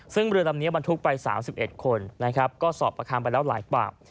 ซึ่งเรือลำเนี้ยมันทุกไปสามสิบเอ็ดคนนะครับก็สอบประคัมไปแล้วหลายปาก